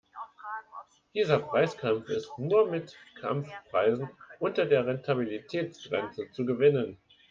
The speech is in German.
Dieser Preiskampf ist nur mit Kampfpreisen unter der Rentabilitätsgrenze zu gewinnen.